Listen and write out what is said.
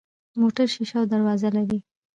موټر شیشه او دروازې لري.